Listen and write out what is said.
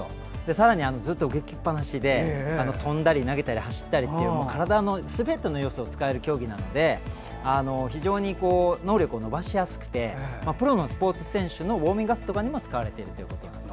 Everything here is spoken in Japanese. さらに、ずっと動きっぱなしで跳んだり、投げたり走ったりっていう体のすべての要素を使える競技なので非常に能力を伸ばしやすくてプロのスポーツ選手のウォーミングアップとかにも使われているということなんです。